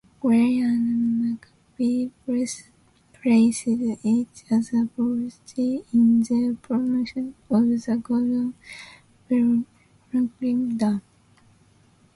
Gray and McCoy praised each other publicly in their promotion of the "Gordon-below-Franklin dam".